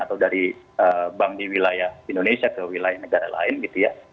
atau dari bank di wilayah indonesia ke wilayah negara lain gitu ya